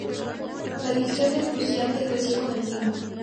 La adicción de Frusciante creció con el tiempo.